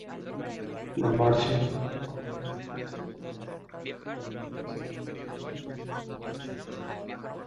La Marche formaba una estrecha entidad tendido sobre unos ochenta kilómetros de distancia.